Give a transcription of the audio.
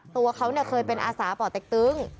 ตัวเขาเคยเป็นอาสาป่อเต็กตึ้ง